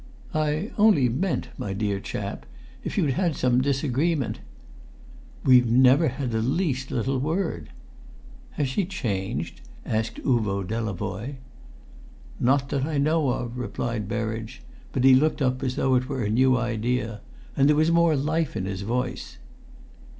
"I only meant, my dear chap, if you'd had some disagreement " "We've never had the least little word!" "Has she changed?" asked Uvo Delavoye. "Not that I know of," replied Berridge; but he looked up as though it were a new idea; and there was more life in his voice.